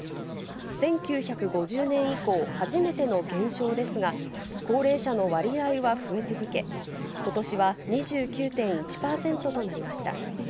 １９５０年以降、初めての減少ですが、高齢者の割合は増え続け、ことしは２９．１％となりました。